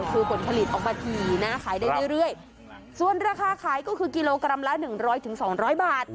คือผลผลิตออกมาดีนะขายได้เรื่อยส่วนราคาขายก็คือกิโลกรัมละ๑๐๐ถึง๒๐๐บาท